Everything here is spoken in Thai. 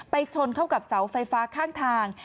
ชนเข้ากับเสาไฟฟ้าข้างทาง